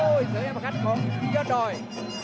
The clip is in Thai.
โอ้ยเสียงอัมภัคดิ์ของยอดดอย